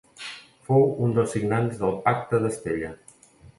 Fou un dels signants del Pacte d'Estella.